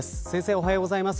おはようございます。